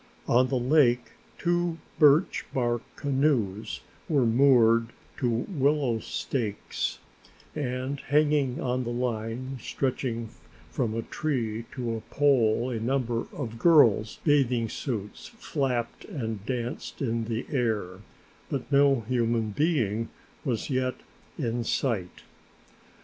On the lake two birch bark canoes were moored to willow stakes, and hanging on a line stretching from a tree to a pole a number of girls' bathing suits flapped and danced in the air, but no human being was yet in sight.